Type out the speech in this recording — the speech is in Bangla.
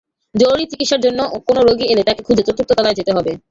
জরুরি চিকিৎসার জন্য কোনো রোগী এলে তাকে খুঁজে চতুর্থ তলায় যেতে হবে।